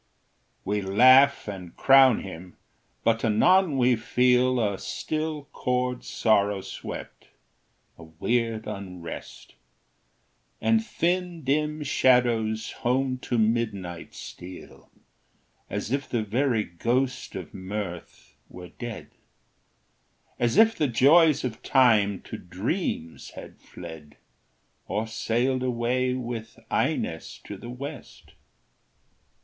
We laugh, and crown him; but anon we feel A still chord sorrow swept, a weird unrest; And thin dim shadows home to midnight steal, As if the very ghost of mirth were dead As if the joys of time to dreams had fled, Or sailed away with Ines to the West.